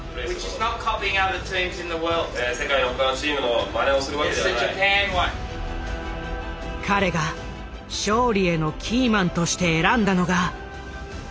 彼が勝利へのキーマンとして選んだのがこの男だった。